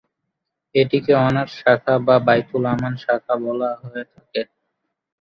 এটিকে অনার্স শাখা বা বায়তুল-আমান শাখা বলা হয়ে থাকে।